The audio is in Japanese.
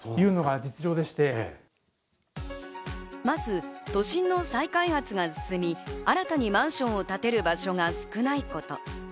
まず都心の再開発が進み、新たにマンションを建てる場所が少ないこと。